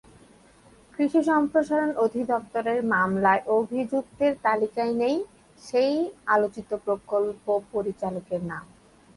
কৃষি সম্প্রসারণ অধিদপ্তরের মামলায় অভিযুক্তের তালিকায় নেই সেই আলোচিত প্রকল্প পরিচালকের নাম।